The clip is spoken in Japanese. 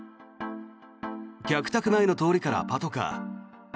客宅前の通りからパトカー。